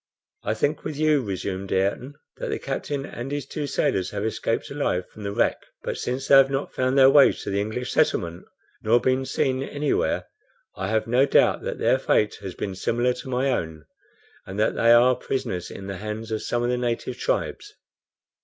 "I think with you," resumed Ayrton, "that the captain and his two sailors have escaped alive from the wreck, but since they have not found their way to the English settlement, nor been seen any where, I have no doubt that their fate has been similar to my own, and that they are prisoners in the hands of some of the native tribes."